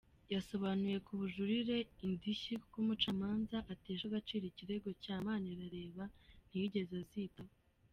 Yasobanuye ko bajuririye indishyi kuko umucamanza atesha agaciro ikirego cya Manirareba ntiyigeze azitaho.